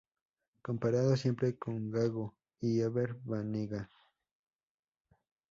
Comparado siempre con Gago y Ever Banega.